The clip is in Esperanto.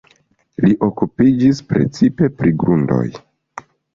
Li okupiĝis precipe pri grundoj.